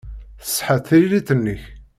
Tṣeḥḥa tririt-nnek.